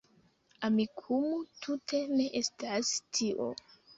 Amikumu tute ne estas tio